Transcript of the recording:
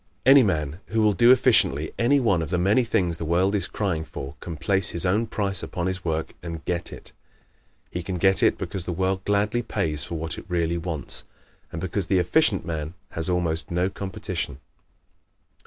Any man who will do efficiently any one of the many things the world is crying for can place his own price upon his work and get it. He can get it because the world gladly pays for what it really wants, and because the efficient man has almost no competition.